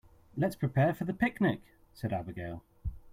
"Let's prepare for the picnic!", said Abigail.